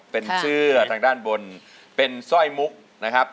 เป็นเสื้อทางด้านบนเป็นสร้อยมุกนะครับ